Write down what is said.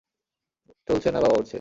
চলছে না বাবা উড়ছে!